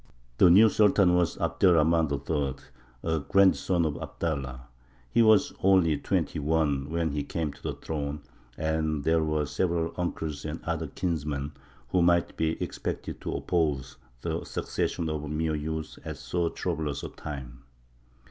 The new Sultan was Abd er Rahmān III., a grandson of Abdallah. He was only twenty one when he came to the throne, and there were several uncles and other kinsmen who might be expected to oppose the succession of a mere youth at so troublous a time.